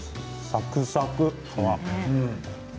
サクサク、皮。